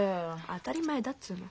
当たり前だっつうの。